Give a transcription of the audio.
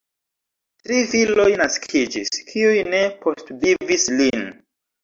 Tri filoj naskiĝis, kiuj ne postvivis lin.